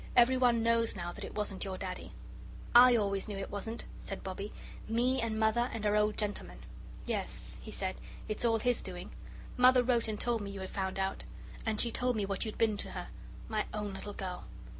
Everyone knows now that it wasn't your Daddy." "I always knew it wasn't," said Bobbie. "Me and Mother and our old gentleman." "Yes," he said, "it's all his doing. Mother wrote and told me you had found out. And she told me what you'd been to her. My own little girl!"